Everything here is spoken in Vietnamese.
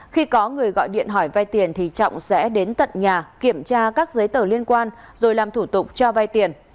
khi có người gọi điện hỏi vay tiền thì trọng sẽ đến tận nhà kiểm tra các giấy tờ liên quan rồi làm thủ tục cho vay tiền